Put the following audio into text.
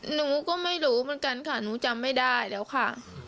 หนูก็ไม่รู้เหมือนกันค่ะหนูจำไม่ได้แล้วค่ะ